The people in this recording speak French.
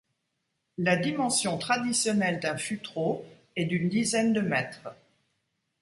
La dimension traditionnelle d'un fûtreau est d'une dizaine de mètres.